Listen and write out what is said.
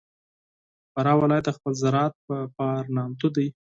فراه ولایت د خپل زراعت په پار نامتو دی.